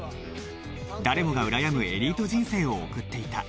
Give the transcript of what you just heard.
誰もがうらやむエリート人生を送っていた